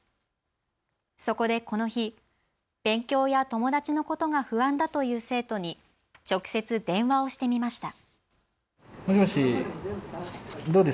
そこでこの日、勉強や友達のことが不安だという生徒に直接、電話をしてみました。